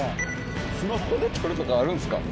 スマホで撮るとかあるんですか？